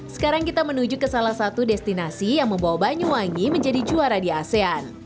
sekarang kita menuju ke salah satu destinasi yang membawa banyuwangi menjadi juara di asean